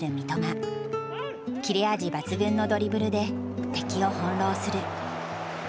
切れ味抜群のドリブルで敵を翻弄する。